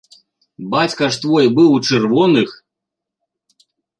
Бацька ж твой быў у чырвоных?!